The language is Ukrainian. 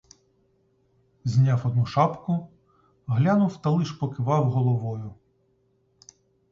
Зняв одну шапку, глянув та лиш покивав головою.